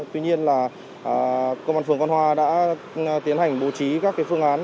tuy nhiên là công an phường con hòa đã tiến hành bố trí các phương án